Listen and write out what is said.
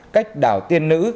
cách đảo tiên nữ